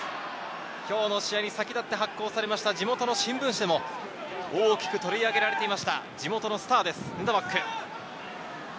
今日の試合に先立って発行された地元の新聞紙でも、大きく取り上げられていました地元のスターです、ヌタマック。